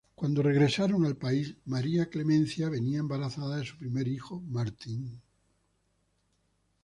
Cuando regresaron al país, María Clemencia venía embarazada de su primer hijo, Martín.